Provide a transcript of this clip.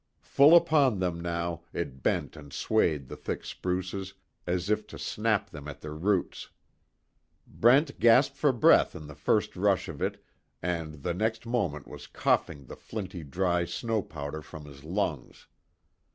Full upon them, now, it bent and swayed the thick spruces as if to snap them at the roots. Brent gasped for breath in the first rush of it and the next moment was coughing the flinty dry snow powder from his lungs.